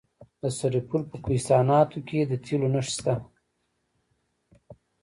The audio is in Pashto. د سرپل په کوهستانات کې د تیلو نښې شته.